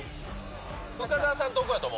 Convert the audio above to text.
深澤さん、どこやと思う？